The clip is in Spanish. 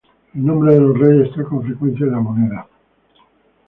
Los nombres de los reyes están con frecuencia en la moneda.